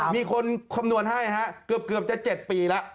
มีคนคำนวณให้ฮะเกือบจะ๗ปีแล้ว